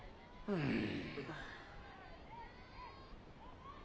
うん。